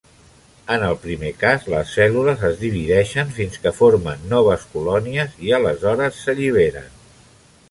En el primer cas, les cèl·lules es divideixen fins que formen noves colònies i, aleshores, s'alliberen.